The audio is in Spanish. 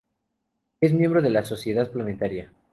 Es miembro de la Sociedad Planetaria.